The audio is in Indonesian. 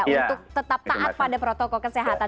untuk tetap taat pada protokol kesehatan